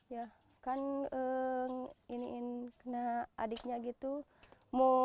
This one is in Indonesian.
ya kan iniin kena adiknya gitu